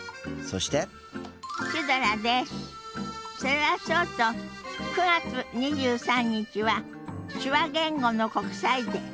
それはそうと９月２３日は手話言語の国際デー。